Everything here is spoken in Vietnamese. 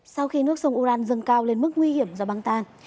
sau khi nước sông uran dâng cao lên mức nguy hiểm do băng tan